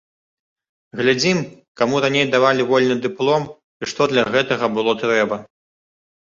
Глядзім, каму раней давалі вольны дыплом і што для гэтага было трэба.